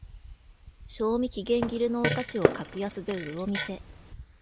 賞味期限切れのお菓子を格安で売るお店